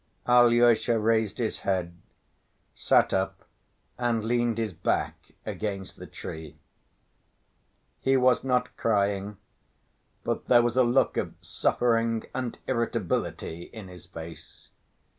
Alyosha raised his head, sat up and leaned his back against the tree. He was not crying, but there was a look of suffering and irritability in his face.